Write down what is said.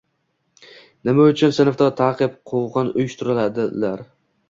Nima uchun sinfda ta’qib, quvg‘in uyushtiradilar?